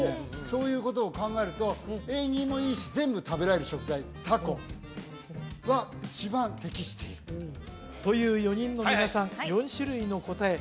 そういうことを考えると縁起もいいし全部食べられる食材タコは一番適しているという４人の皆さん４種類の答え